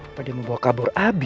apa dia mau bawa kabur abi